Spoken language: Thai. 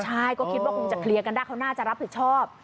ใช่ก็คิดว่าคงจะเคลียร์กันได้เขาน่าจะรับผิดชอบ